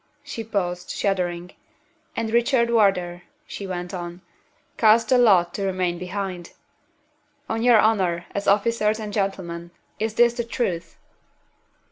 She paused, shuddering. "And Richard Wardour," she went on, "cast the lot to remain behind. On your honor, as officers and gentlemen, is this the truth?"